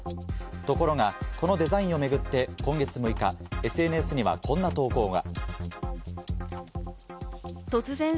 ところがこのデザインをめぐって今月６日、ＳＮＳにはこんな投稿が。